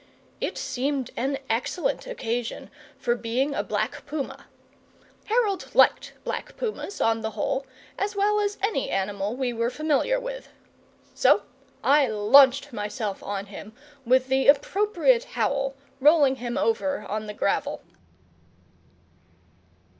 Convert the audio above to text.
It seemed an excellent occasion for being a black puma. Harold liked black pumas, on the whole, as well as any animal we were familiar with. So I launched myself on him, with the appropriate howl, rolling him over on the gravel.